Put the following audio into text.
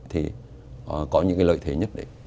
thì có những lợi thế nhất đấy